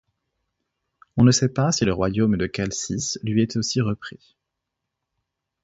On ne sait pas si le royaume de Chalcis lui est aussi repris.